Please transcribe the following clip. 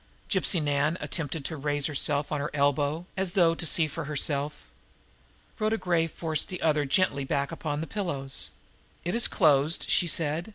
Gypsy Nan attempted to raise herself on her elbow, as though to see for herself. Rhoda Gray forced the other gently back upon the pillows. "It is closed," she said.